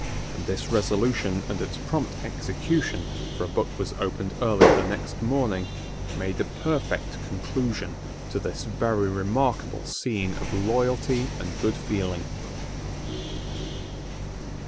This resolution and its prompt execution, for a book was opened early the next morning, made a perfect conclusion to this very remarkable scene of loyalty and good feeling.